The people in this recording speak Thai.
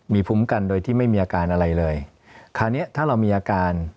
มีภูมิกันโดยที่ไม่มีอาการอะไรเลยคราวนี้ถ้าเรามีอาการ